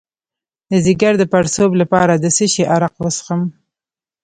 د ځیګر د پړسوب لپاره د څه شي عرق وڅښم؟